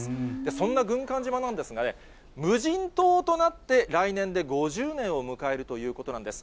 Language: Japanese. そんな軍艦島なんですが、無人島となって来年で５０年を迎えるということなんです。